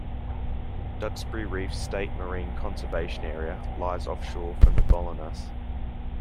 Duxbury Reef State Marine Conservation Area lies offshore from Bolinas.